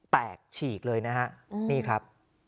ฉีกเลยนะฮะนี่ครับ